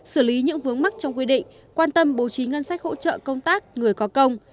xử lý những vướng mắc trong quy định quan tâm bố trí ngân sách hỗ trợ công tác người có công